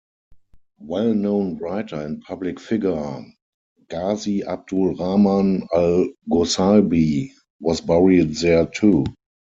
Well-known writer and public-figure Ghazi Abdul Rahman Al Gosaibi was buried there, too.